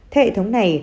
theo hệ thống này